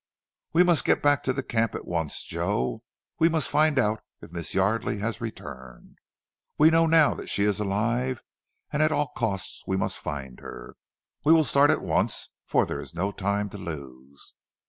"We must get back to the camp at once, Joe. We must find out if Miss Yardely has returned. We know now that she is alive, and at all costs we must find her. We will start at once for there is no time to lose."